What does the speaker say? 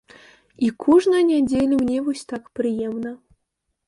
І кожную нядзелю мне вось так прыемна.